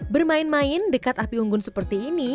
bermain main dekat api unggun seperti ini